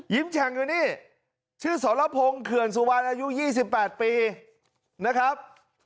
แฉ่งอยู่นี่ชื่อสรพงศ์เขื่อนสุวรรณอายุ๒๘ปีนะครับ